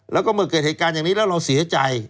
แล้วก็เมื่อเกิดเหตุการณ์อย่างนี้แล้วเราเสียใจ